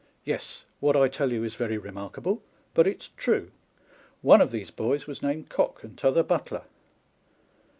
Yes, what I tell you is very remarkable, but it's true. One of these boys was named Cock, and t'other Butler."